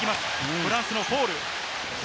フランスのフォール。